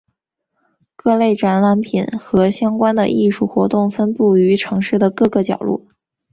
各类展览作品和相关的艺术活动散布于城市的各个角落。